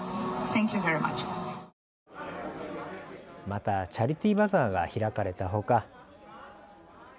またチャリティーバザーが開かれたほか。